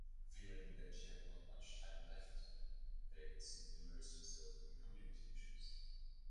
Feeling that she had not much time left Davidson immersed herself in community issues.